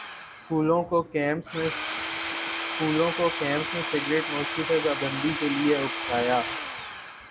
سکولوں کو کیمپس میں سگرٹنوشی پر پابندی کے لیے اکسایا